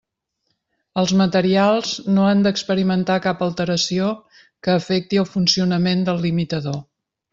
Els materials no han d'experimentar cap alteració que afecti el funcionament del limitador.